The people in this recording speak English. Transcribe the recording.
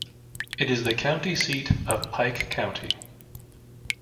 It is the county seat of Pike County.